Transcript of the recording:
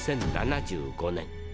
２０７５年。